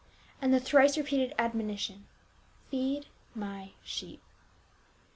and the thrice repeated admonition, " Feed my sheep."